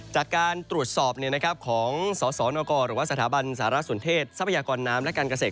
จากการตรวจสอบของสสนกรหรือว่าสถาบันสารสนเทศทรัพยากรน้ำและการเกษตร